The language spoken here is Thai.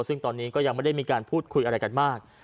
ซึ่งตอนนี้ก็ยังไม่ได้มีการพูดคุยอะไรกันมาก